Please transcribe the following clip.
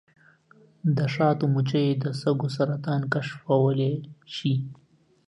د شاتو مچۍ د سږو سرطان کشفولی شي.